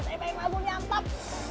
saya pakai bambu nyantap